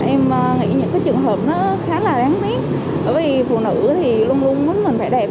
em nghĩ những trường hợp khá là đáng tiếc vì phụ nữ luôn luôn với mình phải đẹp